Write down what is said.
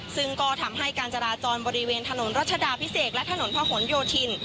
ซึ่งก็ทำให้การจราจรบริเวณถนนรัชดาพิเศษและถนนพะหนโยธิน